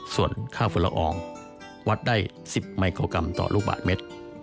ส่วนค่าฝุ่นละอองวัดได้๑๐ไมโครกรัมต่อลูกบาทเมตร